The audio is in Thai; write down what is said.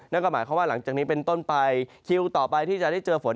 นั่นก็หมายความว่าหลังจากนี้เป็นต้นไปคิวต่อไปที่จะได้เจอฝน